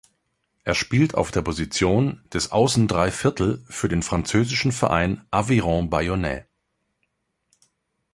Er spielt auf der Position des Außendreiviertel für den französischen Verein Aviron Bayonnais.